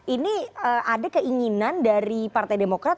ini ada keinginan dari partai demokrat